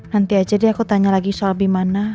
nanti aja deh aku tanya lagi soal bimana